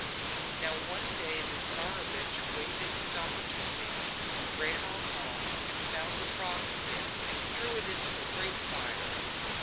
Now one day the Tsarevich waited his opportunity, ran off home, found the frog skin and threw it into a great fire.